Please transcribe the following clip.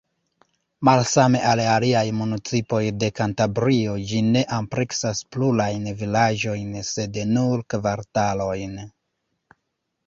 Malsame al aliaj municipoj de Kantabrio, ĝi ne ampleksas plurajn vilaĝojn sed nur kvartalojn.